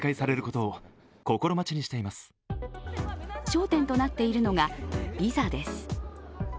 焦点となっているのがビザです。